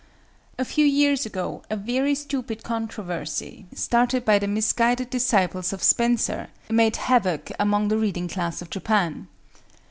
A few years ago a very stupid controversy, started by the misguided disciples of Spencer, made havoc among the reading class of Japan.